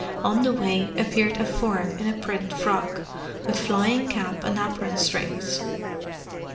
On the way appeared a form in a print frock, with flying cap and apron strings.